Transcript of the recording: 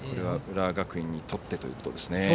浦和学院にとってということですね。